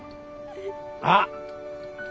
あっ！